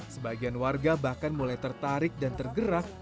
sebagian warga bahkan mulai tertarik dan tergerak